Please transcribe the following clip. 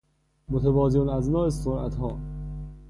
متوازی الاضلاع سرعت ها